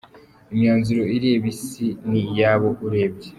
Imyanzuro ireba Isi ni iyabo urebye.